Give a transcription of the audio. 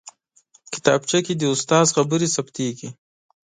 کتابچه کې د استاد خبرې ثبتېږي